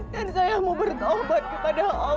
dan saya mau bertopat kepada allah